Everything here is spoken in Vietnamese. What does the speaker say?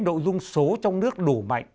nội dung số trong nước đủ mạnh